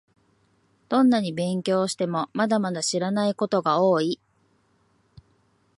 どんなに勉強しても、まだまだ知らないことが多い